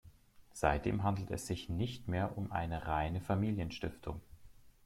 Seitdem handelt es sich nicht mehr um eine reine Familienstiftung.